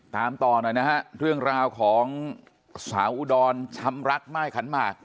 ตามต่อหน่อยนะฮะเรื่องราวของสาวอุดรช้ำรักม่ายขันหมาก